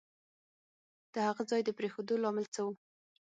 د هغه ځای د پرېښودو لامل څه وو؟